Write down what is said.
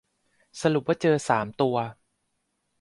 สรุปว่าเจอ สาม ตัว